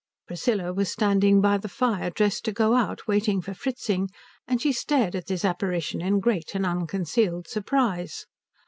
Priscilla was standing by the fire dressed to go out, waiting for Fritzing, and she stared at this apparition in great and unconcealed surprise.